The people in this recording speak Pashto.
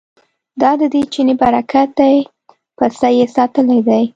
دا ددې چیني برکت دی پسه یې ساتلی دی.